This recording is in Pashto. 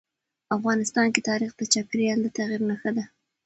افغانستان کې تاریخ د چاپېریال د تغیر نښه ده.